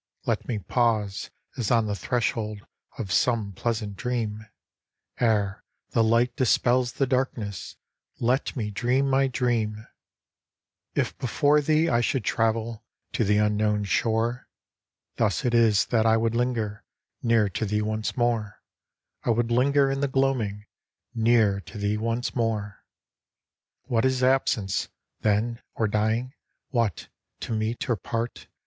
Let me pause, as on the threshold Of some pleasant dream, — Ere the light dispels the darkness Let me dream my dream ! 20 Remembered Voices, If before thee I should travel To the unknown shore, Thus it is that I would linger Near to thee ojice more, — I would linger in the gloaming Near to thee once more ! What is Absence, then, or dying ? What, to meet or part.